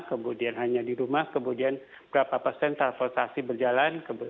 kemudian hanya di rumah kemudian berapa persen transportasi berjalan